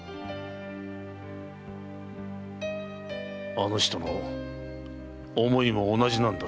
あの人も思いは同じなんだろう。